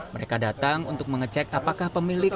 mereka datang untuk mengecek apakah pemilik